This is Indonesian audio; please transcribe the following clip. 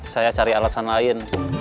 saya cari alasan lain